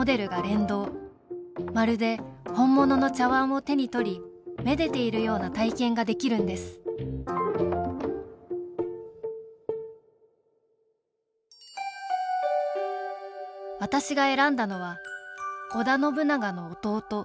まるで本物の茶碗を手に取りめでているような体験ができるんです私が選んだのは織田信長の弟